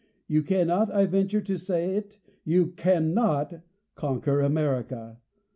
You cannot, I venture to say it, you CANNOT conquer America.